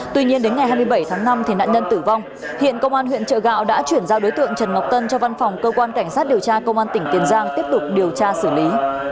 tuy nhiên đến ngày hai mươi bảy tháng năm nạn nhân tử vong hiện công an huyện trợ gạo đã chuyển giao đối tượng trần ngọc tân cho văn phòng cơ quan cảnh sát điều tra công an tỉnh tiền giang tiếp tục điều tra xử lý